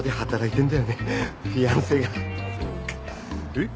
えっ？